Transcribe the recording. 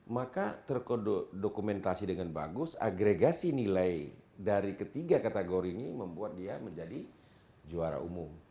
maka terkodokumentasi dengan bagus agregasi nilai dari ketiga kategori ini membuat dia menjadi juara umum